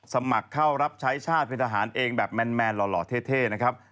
สมัครเข้ารับใช้ชาติเป็นทหารเองแบบแมนหล่อเท่นะครับ